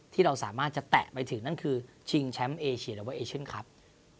ที่เราสามารถจะแตะไปถึงนั่นคือชิงแชมป์เอเชียหรือว่าเอเชียนครับ